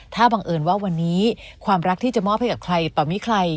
ถ้าบังเอิญว่าวันนี้ความรักที่จะมอบให้กับใครต่อมีใคร